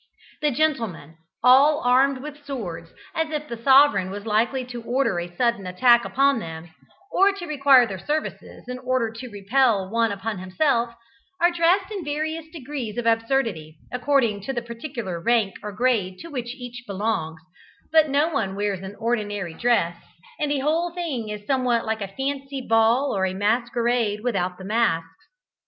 The gentlemen, all armed with swords, as if the sovereign was likely to order a sudden attack upon them, or to require their services in order to repel one upon himself, are dressed in various degrees of absurdity, according to the particular rank or grade to which each belongs, but no one wears an ordinary dress, and the whole thing is somewhat like a fancy ball or a masquerade without the masks.